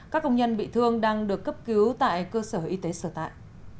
các công nhân bị thương đang được cấp cứu tại cơ sở y tế sở tại